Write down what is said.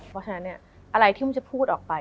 เพราะฉะนั้นอะไรที่มันจะพูดออกไป